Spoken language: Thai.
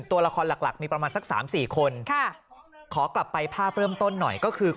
ตัวละครหลักมีประมาณสัก๓๔คนขอกลับไปภาพเริ่มต้นหน่อยก็คือ